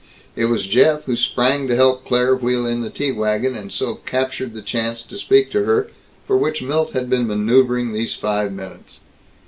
It was Jeff who sprang to help Claire wheel in the tea wagon, and so captured the chance to speak to her for which Milt had been maneuvering these five minutes.